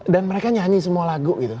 dan mereka nyanyi semua lagu gitu